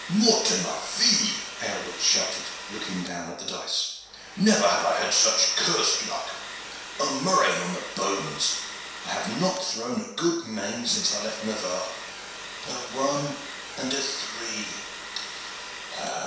"Mort de ma vie!" Aylward shouted, looking down at the dice. "Never had I such cursed luck. A murrain on the bones! I have not thrown a good main since I left Navarre. A one and a three!